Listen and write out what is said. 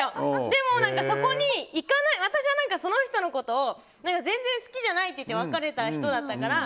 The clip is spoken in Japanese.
でも、そこに私はその人のことを全然好きじゃないと言って別れた人だったから。